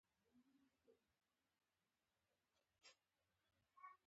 • ږغ د فزیکي څپو یوه بڼه ده.